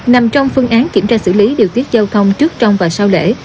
nằm trong phương án kiểm tra xử lý điều tiết giao thông trước trong và sau lễ